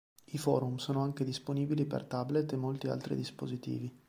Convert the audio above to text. I forum sono anche disponibili per tablet e molti altri dispositivi.